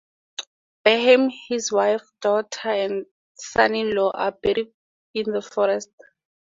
Bernheim, his wife, daughter, and son-in-law are buried in the forest.